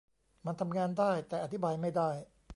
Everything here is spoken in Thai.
มันทำงานได้ แต่อธิบายไม่ได้